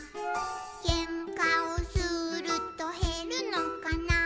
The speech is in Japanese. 「けんかをするとへるのかな」